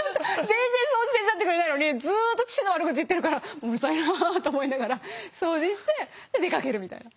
全然掃除手伝ってくれないのにずっと父の悪口言ってるからうるさいなあと思いながら掃除してで出かけるみたいな。